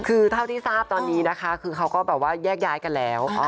คือเท่าที่ทราบตอนนี้นะคะคือเขาก็แบบว่าแยกย้ายกันแล้ว